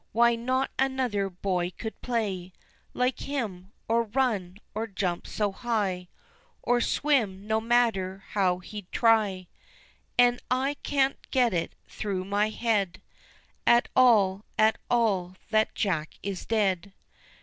Why not another boy could play Like him, or run, or jump so high, Or swim, no matter how he'd try, An' I can't get it through my head At all, at all, that Jack is dead.